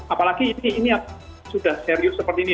apalagi ini sudah serius seperti ini